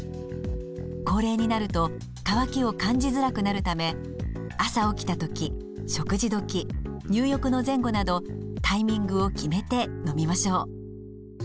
高齢になると渇きを感じづらくなるため朝起きた時食事時入浴の前後などタイミングを決めて飲みましょう。